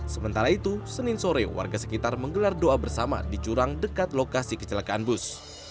sementara itu senin sore warga sekitar menggelar doa bersama di curang dekat lokasi kecelakaan bus